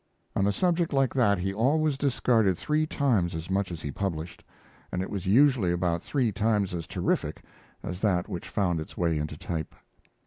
On a subject like that he always discarded three times as much as he published, and it was usually about three times as terrific as that which found its way into type.